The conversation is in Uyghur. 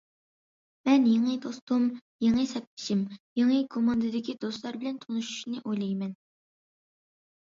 مەن يېڭى دوستۇم، يېڭى سەپدىشىم، يېڭى كوماندىدىكى دوستلار بىلەن تونۇشۇشنى ئويلايمەن.